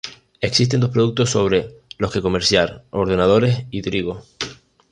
Existen dos productos sobre los que comerciar, ordenadores y trigo.